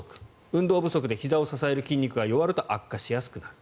運動不足でひざを支える筋肉が弱ると悪化しやすくなる。